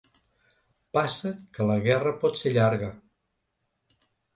Passa que la guerra pot ser llarga.